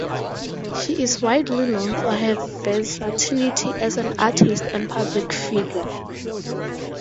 She is widely known for her versatility as an artist and public figure.